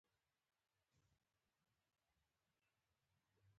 په دې ښار کې د لوبو میدانونه جوړ شوي او ماشومان خوشحاله دي